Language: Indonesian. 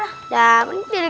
udah menit di situ